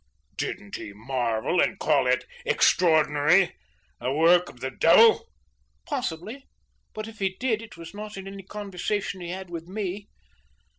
Didn't he marvel and call it extraordinary the work of the devil?" "Possibly; but if he did, it was not in any conversation he had with me."